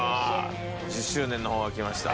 １０周年の方が来ました。